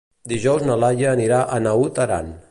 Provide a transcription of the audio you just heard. Dijous na Laia anirà a Naut Aran.